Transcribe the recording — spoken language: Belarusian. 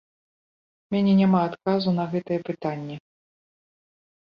У мяне няма адказу на гэтае пытанне.